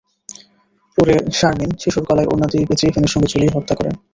পরে শারমিন শিশুর গলায় ওড়না দিয়ে পেঁচিয়ে ফ্যানের সঙ্গে ঝুলিয়ে হত্যা করেন।